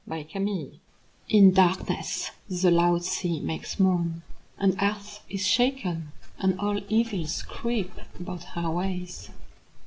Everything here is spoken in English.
The Charm In darkness the loud sea makes moan; And earth is shaken, and all evils creep About her ways.